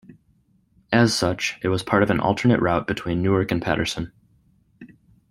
As such, it was part of an alternate route between Newark and Paterson.